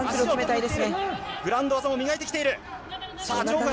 グラウンド技を磨いてきている。